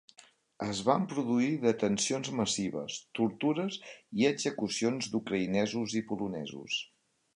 Es van produir detencions massives, tortures i execucions d'ucraïnesos i polonesos.